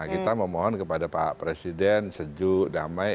kita memohon kepada pak presiden sejuk damai